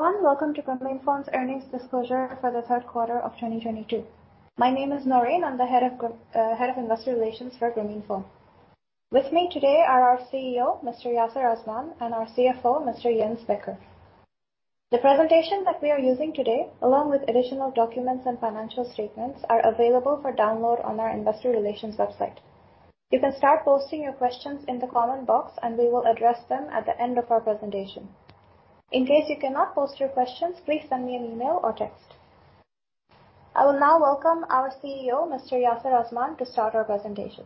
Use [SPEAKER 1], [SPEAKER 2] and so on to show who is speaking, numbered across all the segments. [SPEAKER 1] Welcome to Grameenphone's earnings disclosure for the third quarter of 2022. My name is Naureen, I'm the head of investor relations for Grameenphone. With me today are our CEO, Mr. Yasir Azman, and our CFO, Mr. Jens Becker. The presentation that we are using today, along with additional documents and financial statements, are available for download on our investor relations website. You can start posting your questions in the comment box, and we will address them at the end of our presentation. In case you cannot post your questions, please send me an email or text. I will now welcome our CEO, Mr. Yasir Azman, to start our presentation.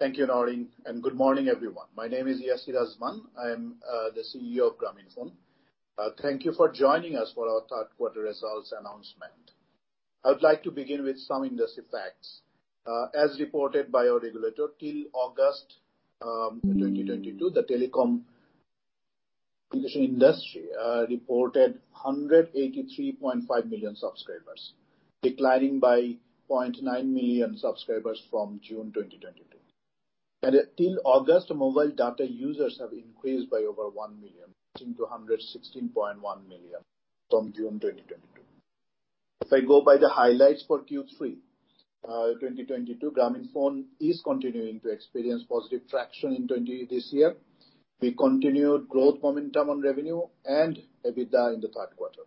[SPEAKER 2] Thank you, Naureen, and good morning, everyone. My name is Yasir Azman. I am the CEO of Grameenphone. Thank you for joining us for our third quarter results announcement. I would like to begin with some industry facts. As reported by our regulator, till August 2022, the telecommunications industry reported 183.5 million subscribers, declining by 0.9 million subscribers from June 2022. Until August, mobile data users have increased by over 1 million to 116.1 million from June 2022. If I go by the highlights for Q3 2022, Grameenphone is continuing to experience positive traction in this year. We continued growth momentum on revenue and EBITDA in the third quarter.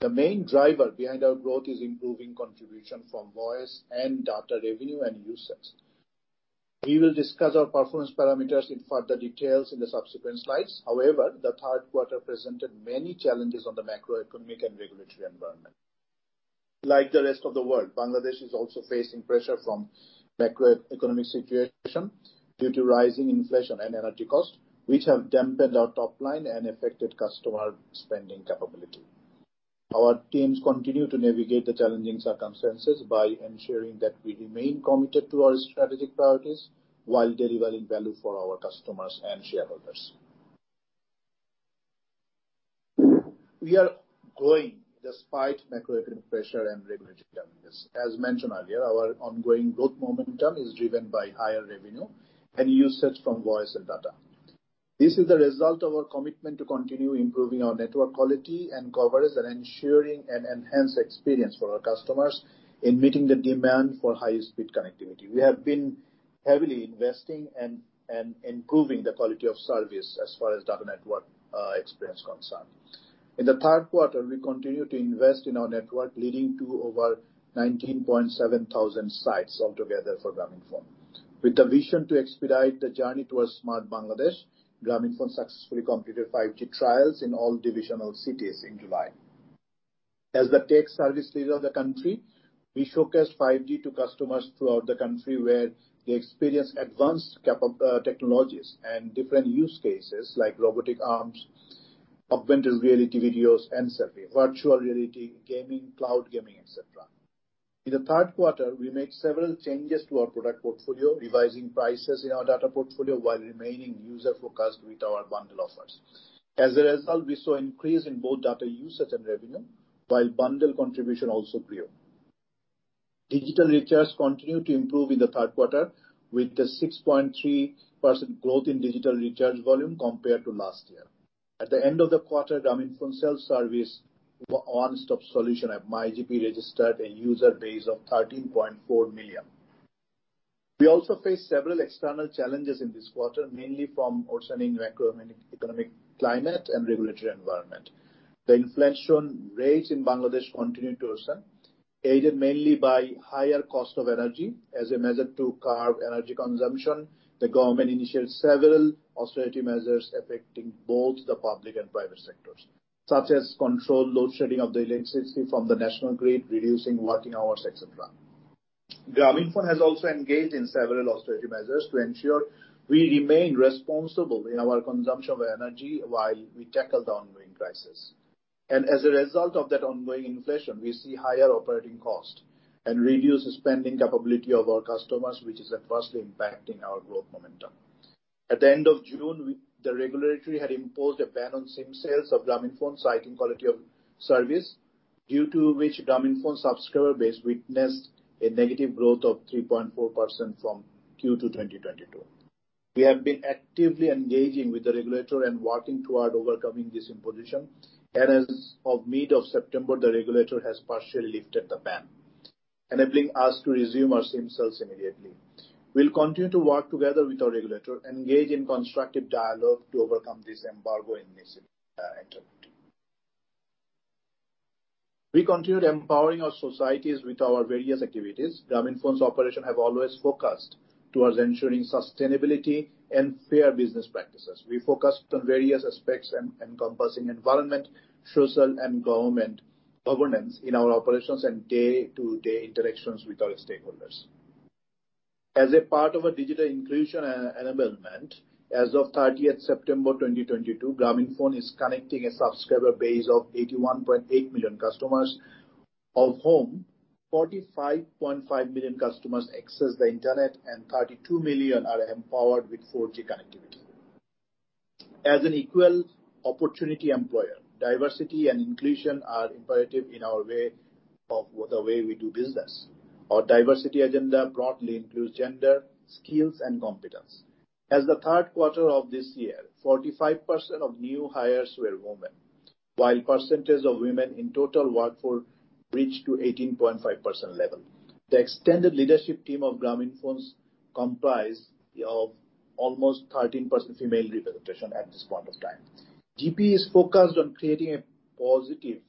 [SPEAKER 2] The main driver behind our growth is improving contribution from voice and data revenue and usage. We will discuss our performance parameters in further details in the subsequent slides. However, the third quarter presented many challenges on the macroeconomic and regulatory environment. Like the rest of the world, Bangladesh is also facing pressure from macroeconomic situation due to rising inflation and energy costs, which have dampened our top line and affected customer spending capability. Our teams continue to navigate the challenging circumstances by ensuring that we remain committed to our strategic priorities while delivering value for our customers and shareholders. We are growing despite macroeconomic pressure and regulatory challenges. As mentioned earlier, our ongoing growth momentum is driven by higher revenue and usage from voice and data. This is a result of our commitment to continue improving our network quality and coverage and ensuring an enhanced experience for our customers in meeting the demand for high-speed connectivity. We have been heavily investing and improving the quality of service as far as data network experience is concerned. In the third quarter, we continued to invest in our network, leading to over 19.7 thousand sites altogether for Grameenphone. With the vision to expedite the journey towards Smart Bangladesh, Grameenphone successfully completed 5G trials in all divisional cities in July. As the tech service leader of the country, we showcased 5G to customers throughout the country, where they experienced advanced technologies and different use cases like robotic arms, augmented reality videos and survey, virtual reality gaming, cloud gaming, et cetera. In the third quarter, we made several changes to our product portfolio, revising prices in our data portfolio while remaining user-focused with our bundle offers. As a result, we saw increase in both data usage and revenue, while bundle contribution also grew. Digital recharge continued to improve in the third quarter with the 6.3% growth in digital recharge volume compared to last year. At the end of the quarter, Grameenphone self-service one-stop solution at MyGP registered a user base of 13.4 million. We also faced several external challenges in this quarter, mainly from worsening macroeconomic climate and regulatory environment. The inflation rates in Bangladesh continued to worsen, aided mainly by higher cost of energy. As a measure to curb energy consumption, the government initiated several austerity measures affecting both the public and private sectors, such as controlled load shedding of the electricity from the national grid, reducing working hours, et cetera. Grameenphone has also engaged in several austerity measures to ensure we remain responsible in our consumption of energy while we tackle the ongoing crisis. As a result of that ongoing inflation, we see higher operating cost and reduced spending capability of our customers, which is adversely impacting our growth momentum. At the end of June, the regulator had imposed a ban on SIM sales of Grameenphone citing quality of service, due to which Grameenphone subscriber base witnessed a negative growth of 3.4% from Q2 2022. We have been actively engaging with the regulator and working toward overcoming this imposition, and as of mid of September, the regulator has partially lifted the ban, enabling us to resume our SIM sales immediately. We'll continue to work together with our regulator, engage in constructive dialogue to overcome this embargo initiative. We continue empowering our societies with our various activities. Grameenphone's operation have always focused towards ensuring sustainability and fair business practices. We focused on various aspects encompassing environment, social, and governance in our operations and day-to-day interactions with our stakeholders. As a part of digital inclusion and development, as of 30th September 2022, Grameenphone is connecting a subscriber base of 81.8 million customers, of whom 45.5 million customers access the internet and 32 million are empowered with 4G connectivity. As an equal opportunity employer, diversity and inclusion are imperative in our way of the way we do business. Our diversity agenda broadly includes gender, skills, and competence. As the third quarter of this year, 45% of new hires were women, while percentage of women in total workforce reached to 18.5% level. The extended leadership team of Grameenphone's comprise of almost 13% female representation at this point of time. GP is focused on creating a positive.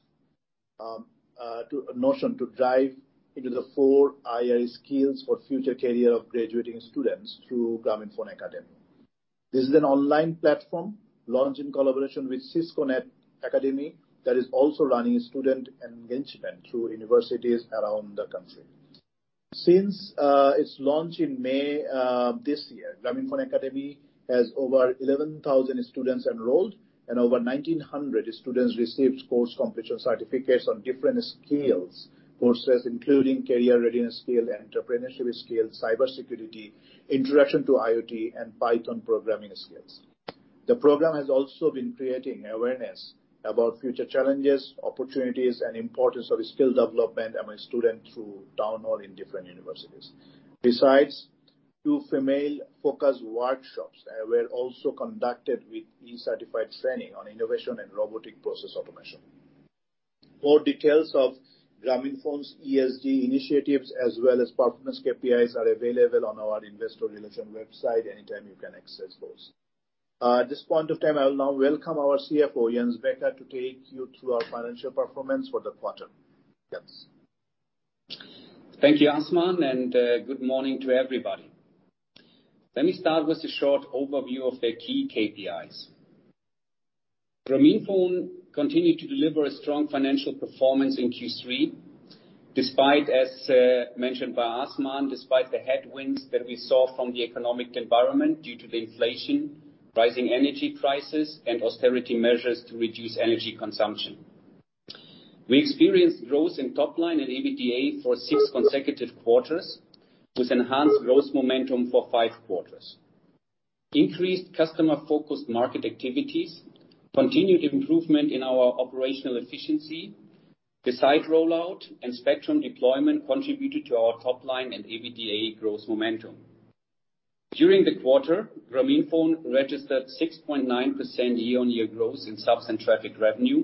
[SPEAKER 2] Notion to drive into the 4IR skills for future career of graduating students through Grameenphone Academy. This is an online platform launched in collaboration with Cisco Networking Academy that is also running student engagement through universities around the country. Since its launch in May this year, Grameenphone Academy has over 11,000 students enrolled and over 1,900 students received course completion certificates on different skills courses, including career readiness skill, entrepreneurship skill, cybersecurity, introduction to IoT, and Python programming skills. The program has also been creating awareness about future challenges, opportunities, and importance of skill development among students through town hall in different universities. Besides, two female-focused workshops were also conducted with e-certified training on innovation and robotic process automation. More details of Grameenphone's ESG initiatives as well as performance KPIs are available on our investor relations website. Anytime you can access those. At this point of time, I'll now welcome our CFO, Jens Becker, to take you through our financial performance for the quarter. Jens?
[SPEAKER 3] Thank you, Yasir Azman, and good morning to everybody. Let me start with a short overview of the key KPIs. Grameenphone continued to deliver a strong financial performance in Q3, despite, as mentioned by Yasir Azman, despite the headwinds that we saw from the economic environment due to the inflation, rising energy prices, and austerity measures to reduce energy consumption. We experienced growth in top line and EBITDA for six consecutive quarters with enhanced growth momentum for five quarters. Increased customer-focused market activities, continued improvement in our operational efficiency, the site rollout, and spectrum deployment contributed to our top line and EBITDA growth momentum. During the quarter, Grameenphone registered 6.9% year-on-year growth in subs and traffic revenue,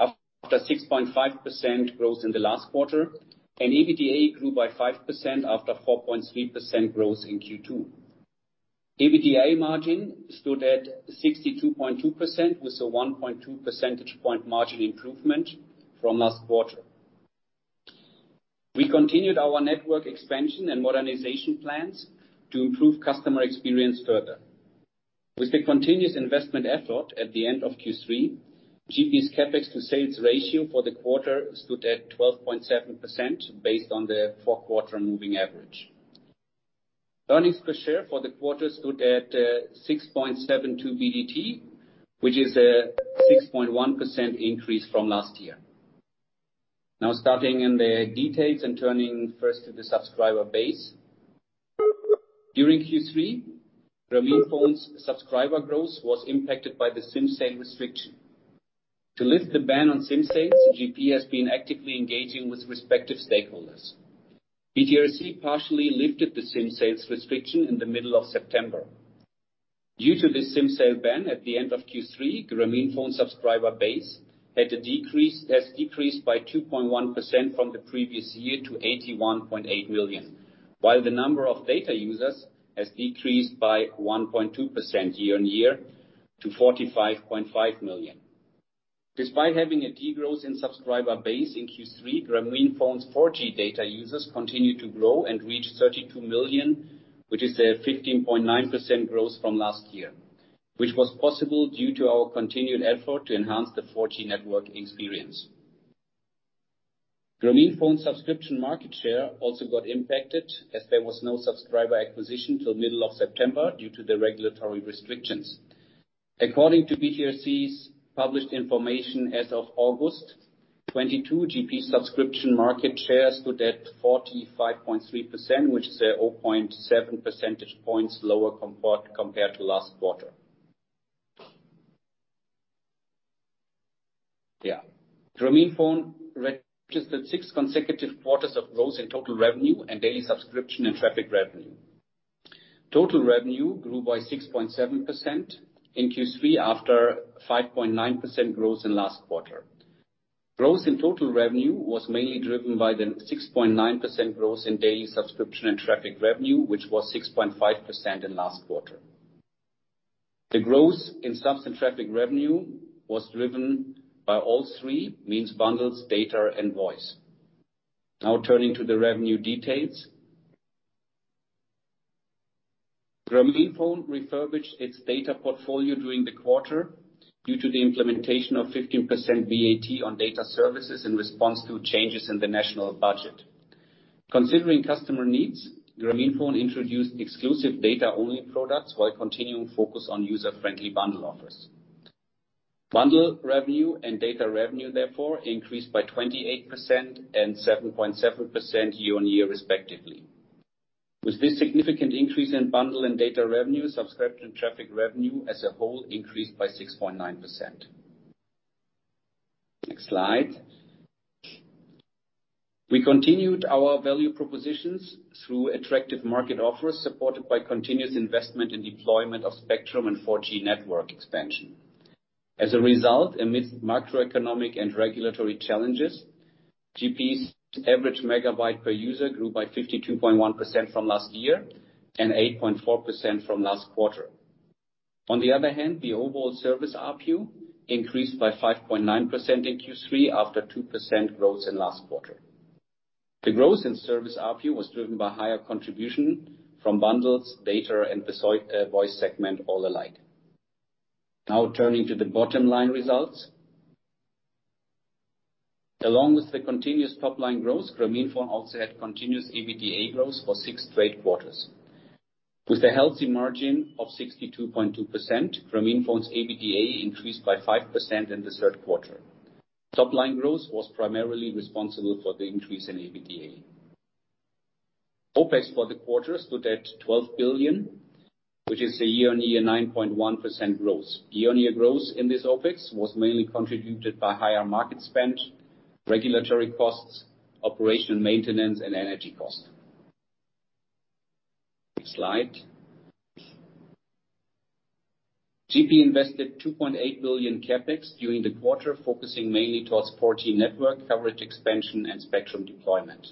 [SPEAKER 3] after 6.5% growth in the last quarter, and EBITDA grew by 5% after 4.3% growth in Q2. EBITDA margin stood at 62.2% with a 1.2 percentage point margin improvement from last quarter. We continued our network expansion and modernization plans to improve customer experience further. With the continuous investment effort at the end of Q3, GP's CapEx to sales ratio for the quarter stood at 12.7% based on the four-quarter moving average. Earnings per share for the quarter stood at BDT 6.72, which is a 6.1% increase from last year. Now starting in the details and turning first to the subscriber base. During Q3, Grameenphone's subscriber growth was impacted by the SIM sale restriction. To lift the ban on SIM sales, GP has been actively engaging with respective stakeholders. BTRC partially lifted the SIM sales restriction in the middle of September. Due to the SIM sale ban at the end of Q3, Grameenphone subscriber base has decreased by 2.1% from the previous year to 81.8 million, while the number of data users has decreased by 1.2% year-on-year to 45.5 million. Despite having a degrowth in subscriber base in Q3, Grameenphone's 4G data users continued to grow and reach 32 million, which is a 15.9% growth from last year, which was possible due to our continued effort to enhance the 4G network experience. Grameenphone subscription market share also got impacted as there was no subscriber acquisition till middle of September due to the regulatory restrictions. According to BTRC's published information, as of August 2022, GP subscription market share stood at 45.3%, which is 0.7 percentage points lower compared to last quarter. Grameenphone registered 6 consecutive quarters of growth in total revenue and daily subscription and traffic revenue. Total revenue grew by 6.7% in Q3 after 5.9% growth in last quarter. Growth in total revenue was mainly driven by the 6.9% growth in daily subscription and traffic revenue, which was 6.5% in last quarter. The growth in subs and traffic revenue was driven by all three means, bundles, data, and voice. Now turning to the revenue details. Grameenphone refurbished its data portfolio during the quarter due to the implementation of 15% VAT on data services in response to changes in the national budget. Considering customer needs, Grameenphone introduced exclusive data-only products while continuing focus on user-friendly bundle offers. Bundle revenue and data revenue therefore increased by 28% and 7.7% year-on-year respectively. With this significant increase in bundle and data revenue, subscription traffic revenue as a whole increased by 6.9%. Next slide. We continued our value propositions through attractive market offers, supported by continuous investment in deployment of spectrum and 4G network expansion. As a result, amidst macroeconomic and regulatory challenges, GP's average megabyte per user grew by 52.1% from last year and 8.4% from last quarter. On the other hand, the overall service ARPU increased by 5.9% in Q3, after 2% growth in last quarter. The growth in service ARPU was driven by higher contribution from bundles, data, and voice segment all alike. Now turning to the bottom line results. Along with the continuous top line growth, Grameenphone also had continuous EBITDA growth for 6 straight quarters. With a healthy margin of 62.2%, Grameenphone's EBITDA increased by 5% in the third quarter. Top line growth was primarily responsible for the increase in EBITDA. OPEX for the quarter stood at BDT 12 billion, which is a year-on-year 9.1% growth. Year-on-year growth in this OPEX was mainly contributed by higher market spend, regulatory costs, operation maintenance, and energy cost. Next slide. GP invested BDT 2.8 billion CapEx during the quarter, focusing mainly towards 4G network coverage expansion and spectrum deployment.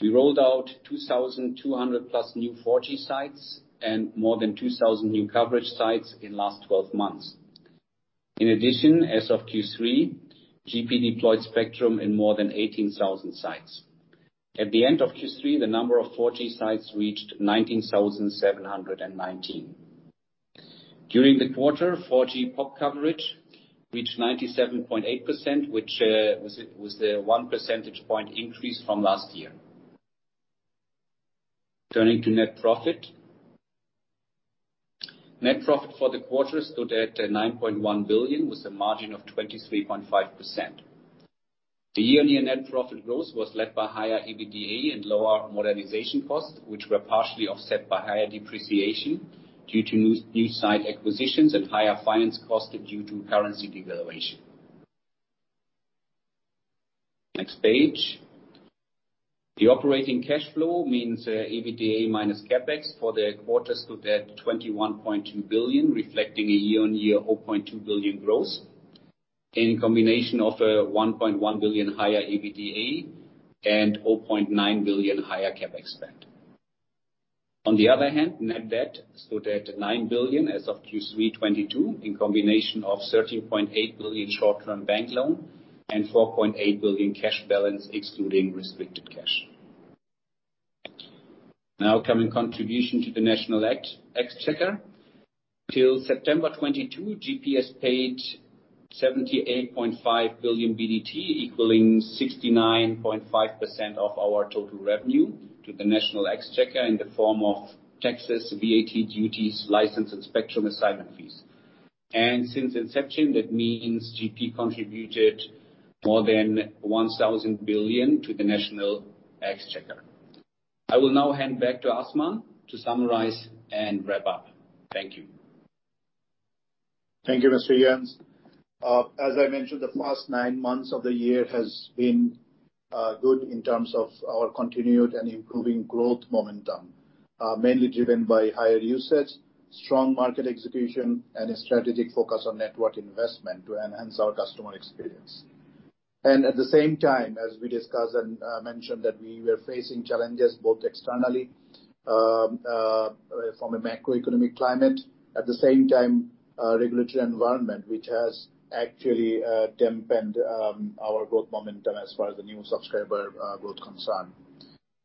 [SPEAKER 3] We rolled out 2,200+ new 4G sites and more than 2,000 new coverage sites in last 12 months. In addition, as of Q3, GP deployed spectrum in more than 18,000 sites. At the end of Q3, the number of 4G sites reached 19,719. During the quarter, 4G pop coverage reached 97.8%, which was the one percentage point increase from last year. Turning to net profit. Net profit for the quarter stood at BDT 9.1 billion, with a margin of 23.5%. The year-on-year net profit growth was led by higher EBITDA and lower modernization costs, which were partially offset by higher depreciation due to new site acquisitions and higher finance costs due to currency devaluation. Next page. The operating cash flow means EBITDA minus CapEx for the quarter stood at BDT 21.2 billion, reflecting a year-on-year BDT 0.2 billion growth in combination of BDT 1.1 billion higher EBITDA and BDT 0.9 billion higher CapEx spend. On the other hand, net debt stood at BDT 9 billion as of Q3 2022, in combination of BDT 13.8 billion short-term bank loan and BDT 4.8 billion cash balance excluding restricted cash. Now coming to contribution to the national exchequer. Till September 2022, GP has paid BDT 78.5 billion, equaling 69.5% of our total revenue to the national exchequer in the form of taxes, VAT duties, license and spectrum assignment fees. Since inception, that means GP contributed more than BDT 1,000 billion to the national exchequer. I will now hand back to Yasir Azman to summarize and wrap up. Thank you.
[SPEAKER 2] Thank you, Mr. Jens. As I mentioned, the first nine months of the year has been good in terms of our continued and improving growth momentum, mainly driven by higher usage, strong market execution, and a strategic focus on network investment to enhance our customer experience. At the same time, as we discussed and mentioned that we were facing challenges both externally from a macroeconomic climate, at the same time, a regulatory environment which has actually dampened our growth momentum as far as the new subscriber growth concerned.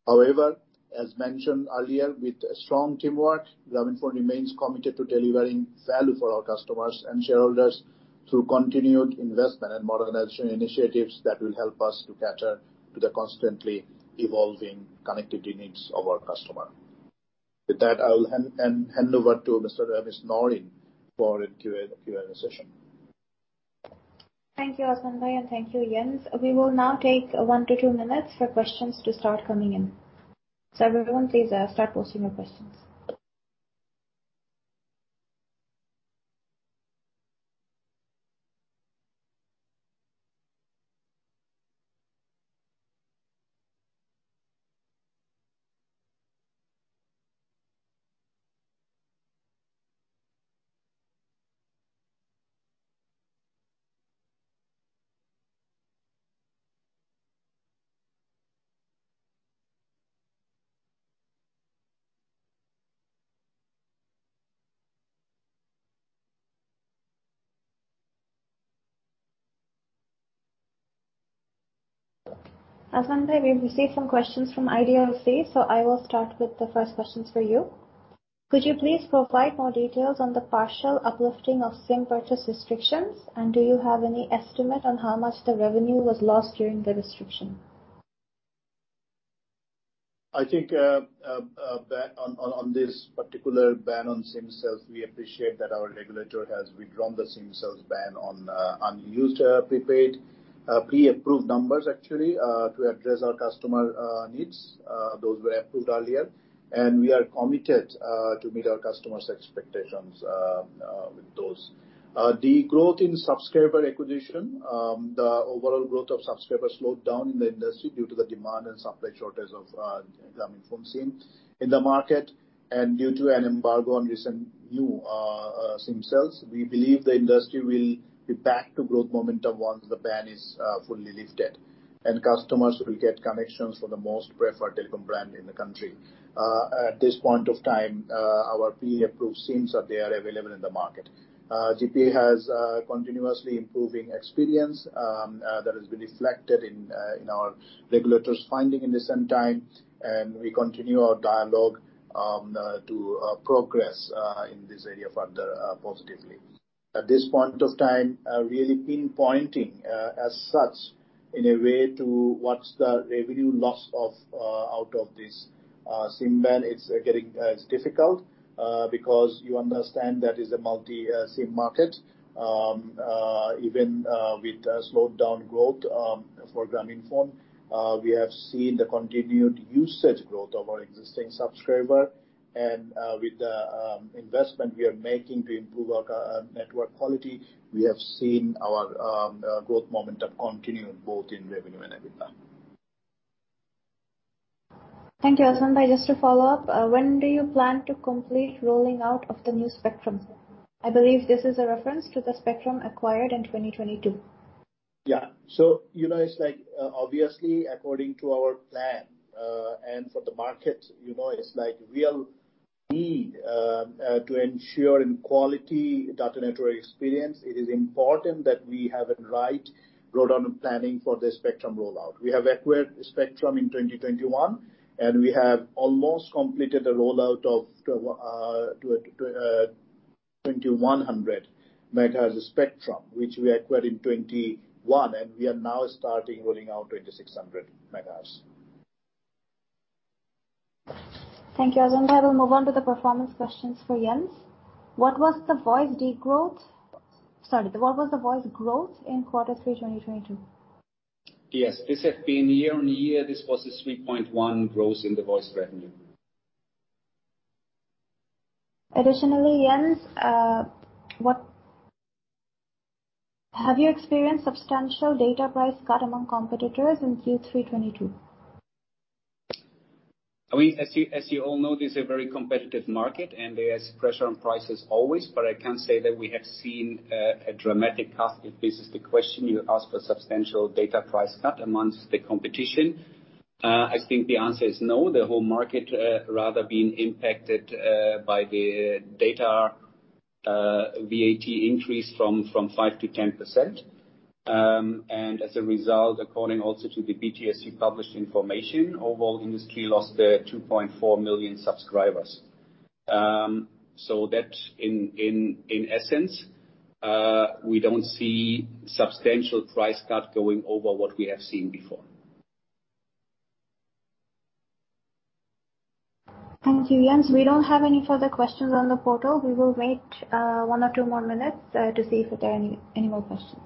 [SPEAKER 2] However, as mentioned earlier, with strong teamwork, Grameenphone remains committed to delivering value for our customers and shareholders through continued investment and modernization initiatives that will help us to cater to the constantly evolving connectivity needs of our customer. With that, I will hand over to Ms. Naureen for a Q&A session.
[SPEAKER 1] Thank you, Yasir Azman, and thank you, Jens Becker. We will now take one to two minutes for questions to start coming in. Everyone please, start posting your questions. Yasir Azman, we've received some questions from IDLC, so I will start with the first questions for you. Could you please provide more details on the partial uplifting of SIM purchase restrictions? And do you have any estimate on how much the revenue was lost during the restriction?
[SPEAKER 2] I think that on this particular ban on SIM sales, we appreciate that our regulator has withdrawn the SIM sales ban on unused prepaid pre-approved numbers actually to address our customer needs. Those were approved earlier. We are committed to meet our customers' expectations with those. The growth in subscriber acquisition, the overall growth of subscribers slowed down in the industry due to the demand and supply shortage of Grameenphone SIM in the market, and due to an embargo on recent new SIM sales. We believe the industry will be back to growth momentum once the ban is fully lifted, and customers will get connections for the most preferred telecom brand in the country. At this point of time, our pre-approved SIMs are there, available in the market. GP has continuously improving experience that has been reflected in our regulators' finding at the same time, and we continue our dialogue to progress in this area further positively. At this point of time, really pinpointing as such in a way to what's the revenue loss out of this SIM ban, it's difficult because you understand that is a multi SIM market. Even with a slowed down growth for Grameenphone, we have seen the continued usage growth of our existing subscriber. With the investment we are making to improve our network quality, we have seen our growth momentum continue both in revenue and ARPU.
[SPEAKER 1] Thank you, Azman. Just to follow up, when do you plan to complete rolling out of the new spectrums? I believe this is a reference to the spectrum acquired in 2022.
[SPEAKER 2] Yeah, you know, it's like, obviously according to our plan, and for the market, you know, it's like real need to ensuring quality data network experience. It is important that we have a right roadmap planning for the spectrum rollout. We have acquired spectrum in 2021, and we have almost completed the rollout of 2100 megahertz spectrum, which we acquired in 2021. We are now starting rolling out 2600 megahertz.
[SPEAKER 1] Thank you, Azman. I will move on to the performance questions for Jens. What was the voice growth in quarter three 2022?
[SPEAKER 3] Yes. This has been year-over-year, this was a 3.1% growth in the voice revenue.
[SPEAKER 1] Additionally, Jens, have you experienced substantial data price cut among competitors in Q3 2022?
[SPEAKER 3] I mean, as you all know, this is a very competitive market, and there is pressure on prices always. I can say that we have seen a dramatic cut if this is the question you ask for substantial data price cut among the competition. I think the answer is no. The whole market rather being impacted by the data VAT increase from 5%-10%. As a result, according also to the BTRC published information, overall industry lost 2.4 million subscribers. That in essence we don't see substantial price cut going over what we have seen before.
[SPEAKER 1] Thank you, Jens. We don't have any further questions on the portal. We will wait one or two more minutes to see if there are any more questions.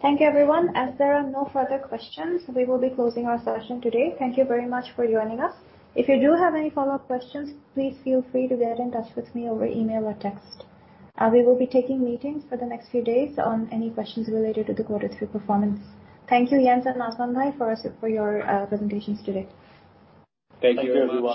[SPEAKER 1] Thank you, everyone. As there are no further questions, we will be closing our session today. Thank you very much for joining us. If you do have any follow-up questions, please feel free to get in touch with me over email or text. We will be taking meetings for the next few days on any questions related to the quarter three performance. Thank you, Jens and Azman, for your presentations today.
[SPEAKER 3] Thank you everyone.